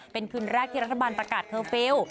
เป็นคืนแรกที่รัฐบาลประกาศเคอร์ฟิลล์